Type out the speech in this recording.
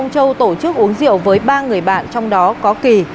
châu tổ chức uống rượu với ba người bạn trong đó có kỳ